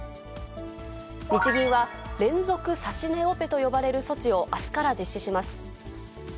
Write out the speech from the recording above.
日銀は連続指し値オペと呼ばれる措置をあすから実施します。